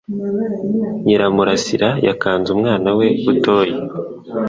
Nyiramurasira yakanze umwana we butoyi